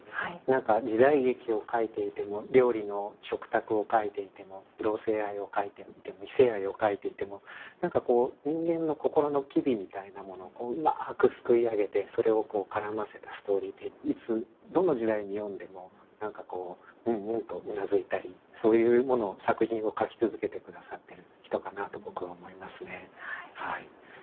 何か時代劇を書いていても料理の食卓を書いていても同性愛を書いていても異性愛を書いていても何かこう人間の心の機微みたいなものをうまくすくい上げてそれをこう絡ませたストーリーでいつどの時代に読んでも何かこううんうんとうなずいたりそういうものを作品を書き続けてくださってる人かなと僕は思いますねはい。